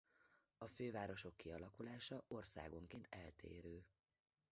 A fővárosok kialakulása országonként eltérő.